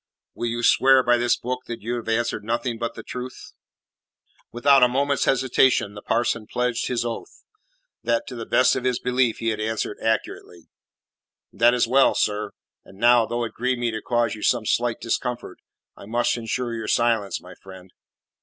"Will you swear by this book that you have answered nothing but the truth?" Without a moment's hesitation the parson pledged his oath, that, to the best of his belief, he had answered accurately. "That is well, sir. And now, though it grieve me to cause you some slight discomfort, I must ensure your silence, my friend."